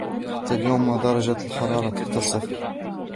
حتى اليوم درجة الحرارة تحت الصفر.